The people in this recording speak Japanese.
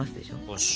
よし。